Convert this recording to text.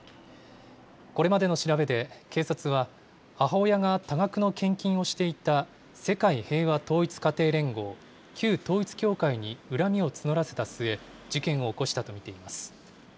これまでの調べで警察は、母親が多額の献金をしていた世界平和統一家庭連合、旧統一教会に恨みを募らせた末、事件を起こしたと見ています。